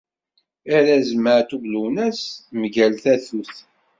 Arraz Maɛtub Lwennas mgal tatut.